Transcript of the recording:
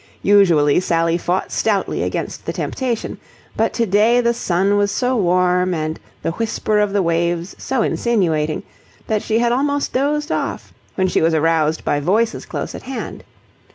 Usually, Sally fought stoutly against the temptation, but to day the sun was so warm and the whisper of the waves so insinuating that she had almost dozed off, when she was aroused by voices close at hand.